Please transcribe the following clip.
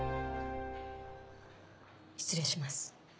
失礼します。